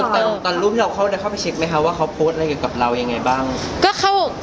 ตอนรูปที่เราเข้าไปเช็คไหมคะว่าเขาโพสต์อะไรเกี่ยวกับเรายังไงบ้าง